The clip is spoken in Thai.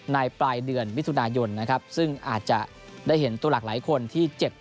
ปลายเดือนมิถุนายนนะครับซึ่งอาจจะได้เห็นตัวหลากหลายคนที่เจ็บ